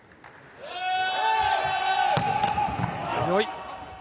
強い！